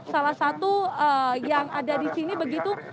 salah satu yang ada di sini begitu